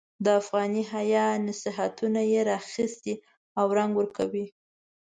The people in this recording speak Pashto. د افغاني حیا نصیحتونه یې را اخیستي او رنګ ورکوي.